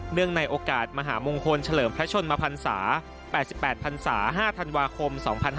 ในโอกาสมหามงคลเฉลิมพระชนมพันศา๘๘พันศา๕ธันวาคม๒๕๕๙